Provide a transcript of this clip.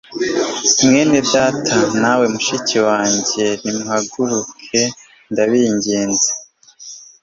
mwenedata nawe mushikiwanjye nimuhaguruke ndabinginze